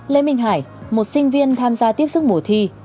lê minh hải một sinh viên tham gia tiếp sức mùa thi